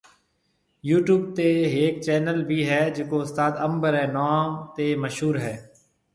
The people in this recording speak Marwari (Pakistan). يو ٽيوب تي ھيَََڪ چينل بي ھيَََ جڪو استاد انب ري نون تي مشھور ھيَََ